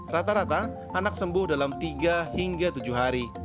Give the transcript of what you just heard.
rata rata anak sembuh dalam tiga hingga tujuh hari